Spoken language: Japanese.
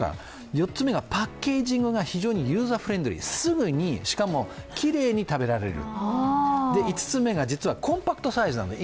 ４つめがパッケージがすごくユーザーフレンドリー、すぐに、しかもきれいに食べられる５つ目が、実はコンパクトサイズなんです。